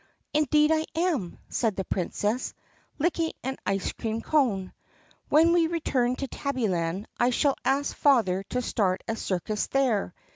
"Indeed I am!" said the Princess, licking an ice cream cone. "When we return to Tabbyland I shall ask father to start a circus there.